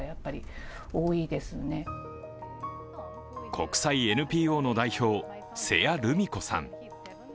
国際ＮＰＯの代表、瀬谷ルミ子さん。